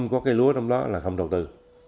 có cây lúa trong đó là không đầu tư